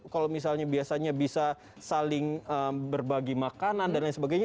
kalau misalnya biasanya bisa saling berbagi makanan dan lain sebagainya